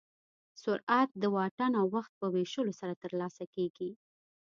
سرعت د واټن او وخت په ویشلو سره ترلاسه کېږي.